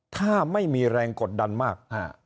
ถ้าไม่มีแรงกดดันมาก